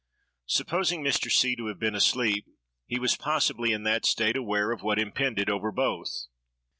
Supposing Mr. C—— to have been asleep, he was possibly, in that state, aware of what impended over both.